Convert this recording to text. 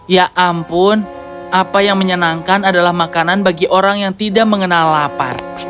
ya ampun apa yang menyenangkan adalah makanan bagi orang yang tidak mengenal lapar